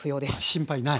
心配ない。